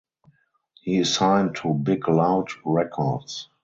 He is signed to Big Loud Records.